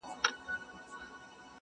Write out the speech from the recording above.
د شنو طوطیانو د کلونو کورګی-